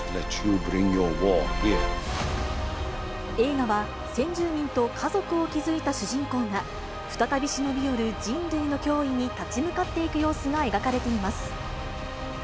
映画は先住民と家族を築いた主人公が、再び忍び寄る人類の脅威に立ち向かっていく様子が描かれています。